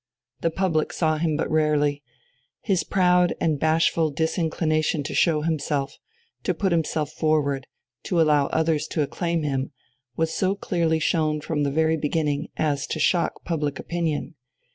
The public saw him but rarely. His proud and bashful disinclination to show himself, to put himself forward, to allow others to acclaim him, was so clearly shown from the very beginning as to shock public opinion.